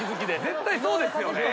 絶対そうですよね。